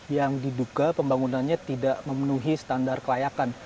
yang diduga pembangunannya tidak memenuhi standar kelayakan